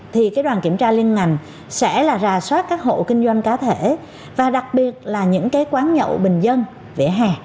thì cái đoàn kiểm tra liên ngành sẽ là rà soát các hộ kinh doanh cá thể và đặc biệt là những cái quán nhậu bình dân vỉa hè